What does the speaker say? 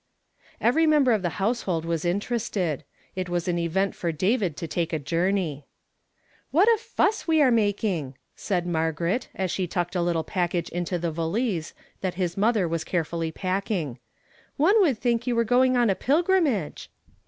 Every meml)er of the household was interested. It was an event for David to take a journey. " What a fuss we are making !" said Margaret, as she tucked a little package into the valise that his mother was carefully packing; "one would think you were going on a pilgrimage